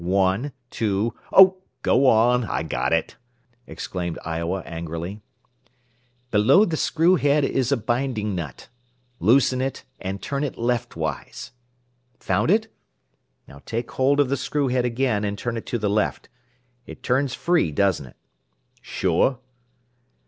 "One, two " "Oh, go on! I got it!" exclaimed Iowa angrily. "Below the screw head is a binding nut. Loosen it, and turn it leftwise. Found it? Now take hold of the screw head again, and turn it to the left. It turns free, doesn't it?" "Sure."